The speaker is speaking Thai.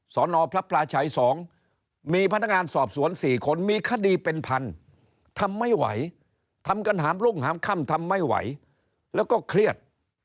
สนพระพลาชัย๒มีพนักงานสอบสวน๔คนมีคดีเป็นพันทำไม่ไหวทำกันหามรุ่งหามค่ำทำไม่ไหวแล้วก็เครียด